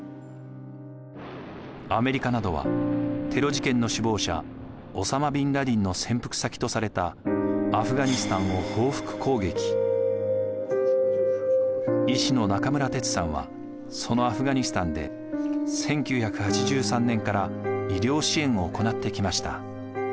アメリカなどはテロ事件の首謀者オサマ・ビンラディンの潜伏先とされた医師の中村哲さんはそのアフガニスタンで１９８３年から医療支援を行ってきました。